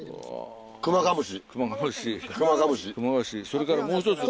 それからもう１つ。